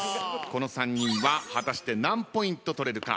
この３人は果たして何ポイントとれるか？